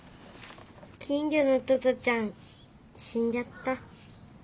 金魚のトトちゃんしんじゃった。